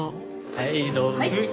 はいどうぞ。